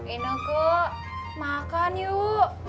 ina kak makan yuk